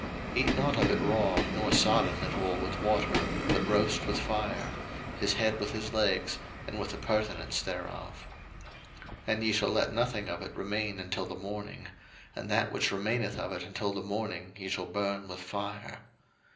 02:012:009 Eat not of it raw, nor sodden at all with water, but roast with fire; his head with his legs, and with the purtenance thereof. 02:012:010 And ye shall let nothing of it remain until the morning; and that which remaineth of it until the morning ye shall burn with fire.